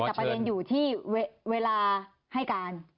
แต่ประเด็นอยู่ที่เวลาให้การ